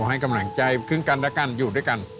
ให้กำลังใจซึ่งกันและกันอยู่ด้วยกัน